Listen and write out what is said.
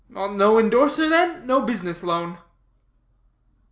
"No indorser, then, no business loan."